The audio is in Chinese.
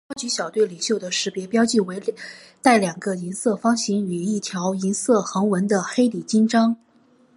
高级小队领袖的识别标记为带两个银色方形与一条银色横纹的黑底襟章。